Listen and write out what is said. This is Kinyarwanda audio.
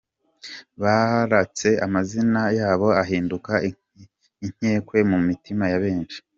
Baratse amazina yabo ahinduka inkekwe mu mitima ya benshi.